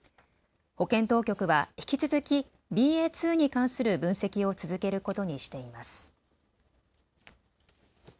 保健当局は、引き続きＢＡ．２に関する分析を続けることにしています。